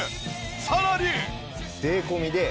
さらに。